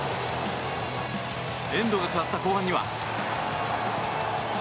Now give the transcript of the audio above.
エンドが変わった後半には。